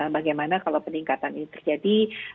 bagaimana kalau peningkatan ini terjadi